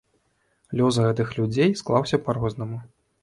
Лёс гэтых людзей склаўся па-рознаму.